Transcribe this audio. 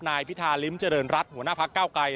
นายพิธาริมเจริญรัฐหัวหน้าพักเก้าไกร